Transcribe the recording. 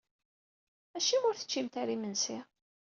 Acimi ur teččimt ara imensi?